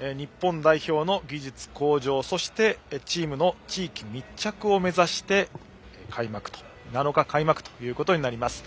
日本代表の技術向上、そしてチームの地域密着を目指して７日、開幕となります。